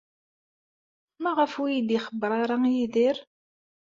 Maɣef ur iyi-d-ixebber ara Yidir?